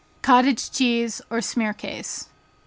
Cottage Cheese or Smearcase.